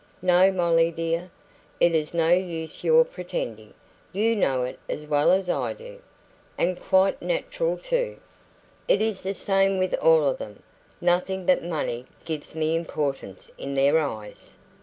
No, Molly dear, it is no use your pretending; you know it as well as I do. And quite natural too. It is the same with all of them. Nothing but money gives me importance in their eyes.